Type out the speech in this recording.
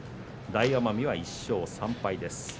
大奄美は１勝３敗です。